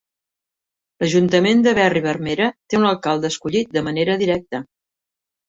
L"ajuntament de Berri Barmera té un alcalde escollit de manera directa.